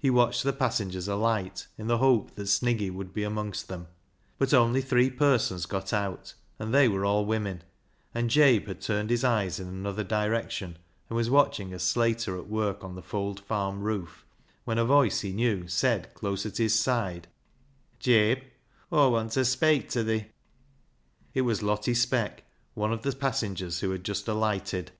He watched the passengers alight, in the hope that Sniggy would be amongst them. But only three persons got out, and they were all women ; and Jabe had turned his eyes in another direction, and was watching a slater at work on the Fold Farm roof, when a voice he knew said, close at his side —" Jabe, Aw want ta speik ta thi." 132 BECKSIDE LIGHTS It was Lottie Speck, one of the passengers who had just alighted.